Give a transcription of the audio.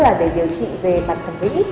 là để điều trị về mặt thẩm mỹ